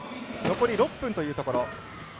残り６分というところ。